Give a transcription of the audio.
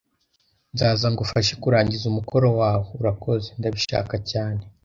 "Nzaza ngufashe kurangiza umukoro wawe." "Urakoze. Ndabishaka cyane."